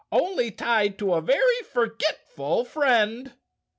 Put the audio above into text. "Only tied to a very forgetful friend."